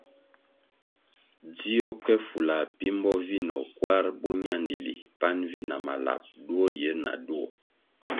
Dzió ke fula pimbo vinoh kwar boñandili pan vi na malap duo yir na duo.